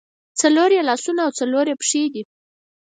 څلور یې لاسونه او څلور یې پښې دي.